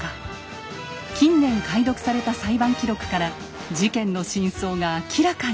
近年解読された裁判記録から事件の真相が明らかに！